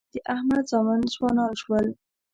د احمد زامن ځوانان شول.